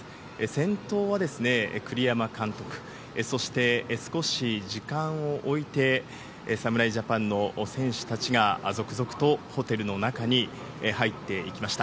先頭はですね、栗山監督、そして少し時間を置いて、侍ジャパンの選手たちが続々とホテルの中に入っていきました。